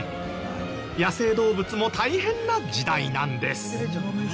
野生動物も大変な時代なんです。